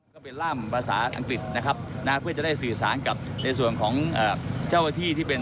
ก็เป็นร่ามภาษาอังกฤษนะครับนะเพื่อจะได้สื่อสารกับในส่วนของเจ้าหน้าที่ที่เป็น